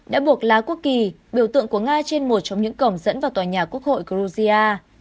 đã buộc lá quốc kỳ biểu tượng của nga trên một trong những cổng dẫn vào tòa nhà quốc hội georgia